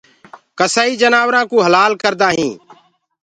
ڪسآئي جآنورآ ڪوُ هلآ ڪردآ هينٚ